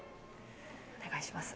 お願いします